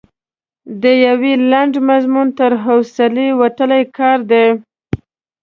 د یو لنډ مضمون تر حوصلې وتلی کار دی.